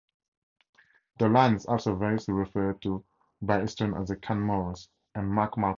The line is also variously referred to by historians as "The Canmores", and "MacMalcolm".